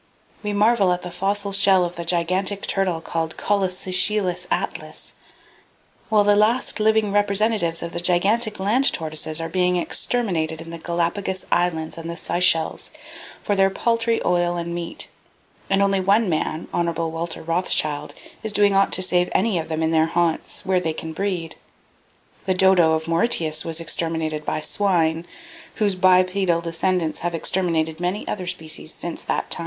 We marvel at the fossil shell of the gigantic turtle called Collosochelys atlas, while the last living representatives of the gigantic land tortoises are being exterminated in the Galapagos Islands and the Sychelles, for their paltry oil and meat; and only one man (Hon. Walter Rothschild) is doing aught to save any of them in their haunts, where they can breed. The dodo of Mauritius was exterminated by swine, whose bipedal descendants have exterminated many other species since that time.